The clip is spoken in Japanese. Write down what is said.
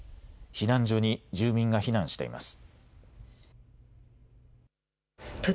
避難所に住民が避難しています。